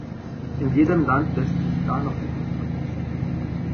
In jedem Land lässt sich da noch etwas verbessern.